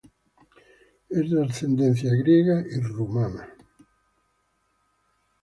Es de ascendencia griega y rumana.